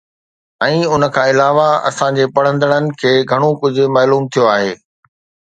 ۽ ان کان علاوه، اسان جي پڙهندڙن کي گهڻو ڪجهه معلوم ٿيو آهي.